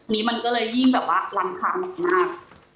นี้มันก็เลยยิ่งแบบว่ารันคาหนักมาก